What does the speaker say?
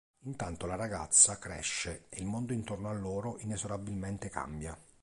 Intanto la ragazza cresce e il mondo intorno a loro inesorabilmente cambia.